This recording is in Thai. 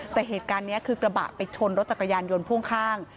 แต่เหตุการณ์นี้คือกระบะไปชนรถจักรยานยนต์พ่วงข้าง